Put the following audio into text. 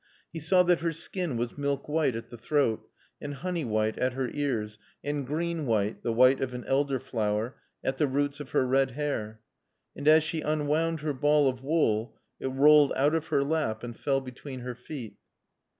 He saw that her skin was milk white at the throat, and honey white at her ears, and green white, the white of an elder flower, at the roots of her red hair. And as she unwound her ball of wool it rolled out of her lap and fell between her feet.